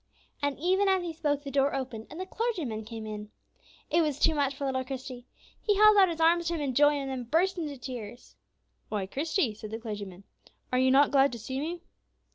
And even as he spoke the door opened, and the clergyman came in. It was too much for little Christie! He held out his arms to him in joy, and then burst into tears. "Why, Christie," said the clergyman, "are you not glad to see me?"